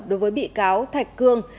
đối với bị cáo thạch cương